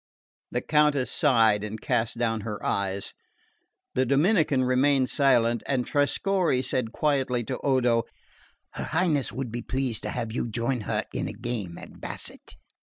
The Countess sighed and cast down her eyes, the Dominican remained silent, and Trescorre said quietly to Odo, "Her Highness would be pleased to have you join her in a game at basset."